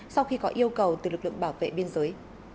sau khi có yêu cầu từ lực lượng bảo vệ biên giới